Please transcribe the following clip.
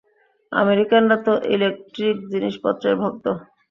আমেরিকানরা তো ইলেকট্রিক জিনিসপত্রের ভক্ত।